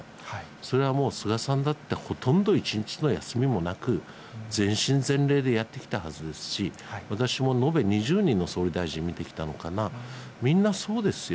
それはもう、菅さんだって、ほとんど一日の休みもなく、全身全霊でやってきたはずですし、私も延べ２０人の総理大臣見てきたのかな、みんなそうですよ。